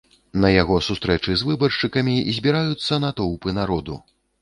На яго сустрэчы з выбаршчыкамі збіраюцца натоўпы народу.